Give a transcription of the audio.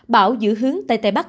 bão giữ hướng tây tây bắc